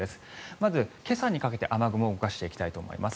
まず、今朝にかけて雨雲を動かしていきたいと思います。